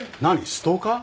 ストーカー？